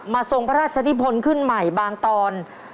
ทรงพระราชนิพลขึ้นใหม่บางตอน